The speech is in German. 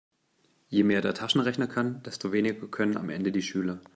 Je mehr der Taschenrechner kann, desto weniger können am Ende die Schüler.